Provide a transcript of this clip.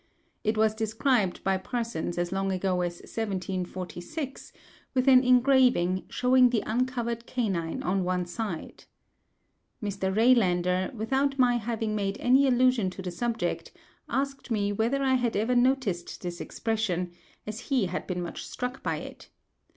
It was described by Parsons as long ago as 1746, with an engraving, showing the uncovered canine on one side. Mr. Rejlander, without my having made any allusion to the subject, asked me whether I had ever noticed this expression, as he had been much struck by it.